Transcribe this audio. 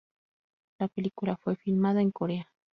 La película fue filmada en Corea.